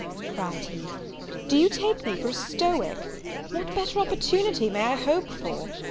cried he, "do you take me for a Stoic! what better opportunity may I hope for?